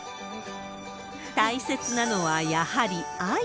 大切なのはやはり愛。